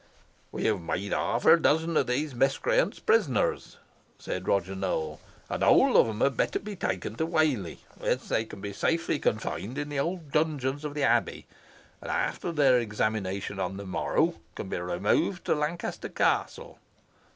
"We have made half a dozen of these miscreants prisoners," said Roger Nowell, "and the whole of them had better be taken to Whalley, where they can be safely confined in the old dungeons of the Abbey, and after their examination on the morrow can be removed to Lancaster Castle."